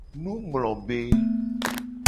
Nunglobe.